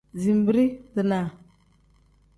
Zinbirii-dinaa.